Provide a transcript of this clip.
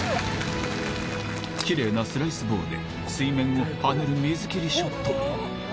きれいなスライスボールで水面を跳ねる水切りショット